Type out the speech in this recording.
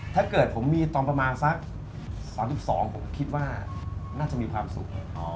ถ้าเกิดผมมีตอนประมาณสัก๓๒ผมคิดว่าน่าจะมีความสุข